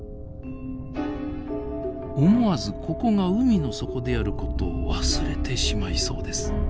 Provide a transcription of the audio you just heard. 思わずここが海の底であることを忘れてしまいそうです。